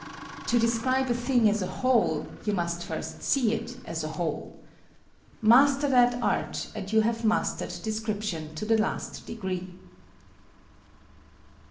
To describe a thing as a whole you must first see it as a whole. Master that art and you have mastered description to the last degree.